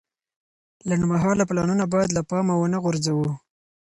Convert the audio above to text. لنډمهاله پلانونه باید له پامه ونه غورځوو.